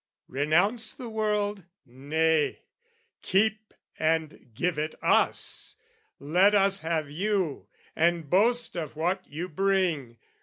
"Renounce the world? Nay, keep and give it us! "Let us have you, and boast of what you bring.